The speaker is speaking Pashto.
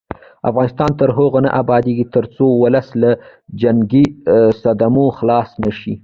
افغانستان تر هغو نه ابادیږي، ترڅو ولس له جنګي صدمو خلاص نشي.